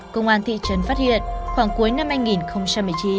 công an thị trấn phát hiện khoảng cuối năm hai nghìn một mươi chín